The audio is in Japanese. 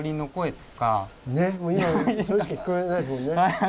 ねっ今それしか聞こえないですもんね。